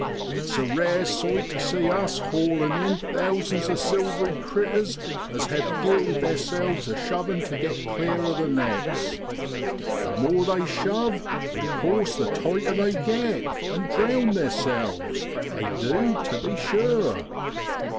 It's a rare sight tu see us haulin' in thousands of silv'ry critters as hev l gilled ' theer selves a shovin' tu get clear o' the nets. The more they shove, in course the tighter they get, an' drown theerselves, they du, tu be sure.